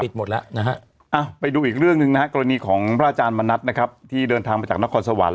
ติดหมดแล้วนะครับอ้าวไปดูอีกเรื่องนึงนะครับกรณีของพระอาจารย์มนัตค์นะครับที่เดินทางมาจากนครสวรรค์